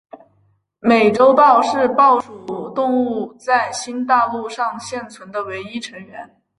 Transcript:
美洲豹是豹属动物在新大陆上现存的唯一成员。